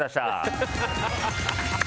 ハハハハ！